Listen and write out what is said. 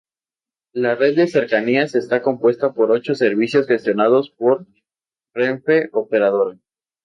La red de Cercanías está compuesta por ocho servicios gestionados por Renfe Operadora.